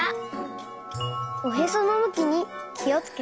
おへそのむきにきをつけて。